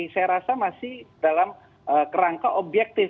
saya rasa masih dalam kerangka objektif